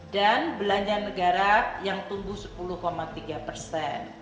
belanja negara yang tumbuh sepuluh tiga persen